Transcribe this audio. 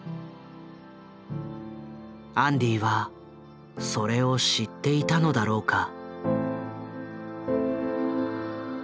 アンディはそれを知っていたのだろうか。